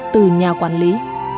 từ nhà quản lý